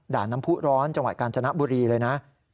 น้ำผู้ร้อนจังหวัดกาญจนบุรีเลยนะ